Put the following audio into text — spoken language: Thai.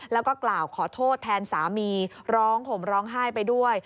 แล้วก็กล่าวขอโทษแทนสามีร้องห่มร้องไห้ไปด้วย